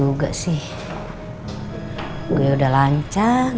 gue ngerti perjuangan kan